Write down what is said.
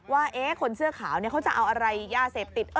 ว่าคนเสื้อขาวเขาจะเอาอะไรยาเสพติด